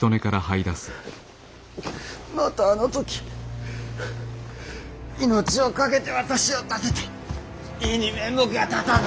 またあの時命をかけて私を立てた井伊に面目が立たぬ。